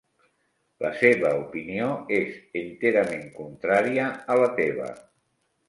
La seva opinió és enterament contrària a la teva.